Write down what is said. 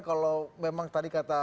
kalau memang tadi kata